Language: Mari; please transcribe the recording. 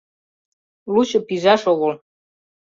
Лучо пижаш огыл.